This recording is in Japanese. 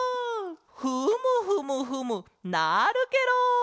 フムフムフムなるケロ！